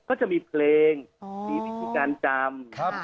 ก็จะมีเพลงมีวิธีการจำ